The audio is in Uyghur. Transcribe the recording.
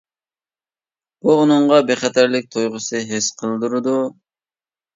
بۇ ئۇنىڭغا بىخەتەرلىك تۇيغۇسى ھېس قىلدۇرىدۇ.